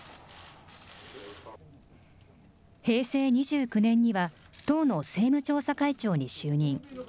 平成２９年には、党の政務調査会長に就任。